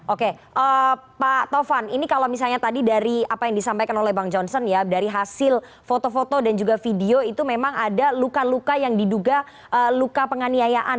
oke pak tovan ini kalau misalnya tadi dari apa yang disampaikan oleh bang johnson ya dari hasil foto foto dan juga video itu memang ada luka luka yang diduga luka penganiayaan